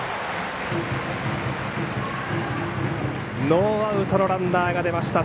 ノーアウトのランナーが出ました。